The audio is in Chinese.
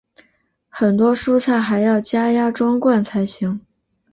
很多蔬菜还要加压装罐才行。